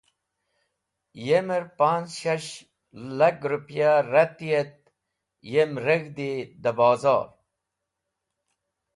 Yemer panz̃hshash lag ripya reti et yem reg̃hdi da bozor.